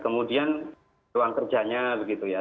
kemudian ruang kerjanya begitu ya